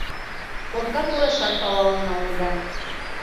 Корка пурашат палалын налдена.